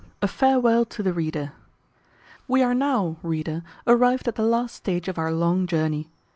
A farewel to the reader. We are now, reader, arrived at the last stage of our long journey.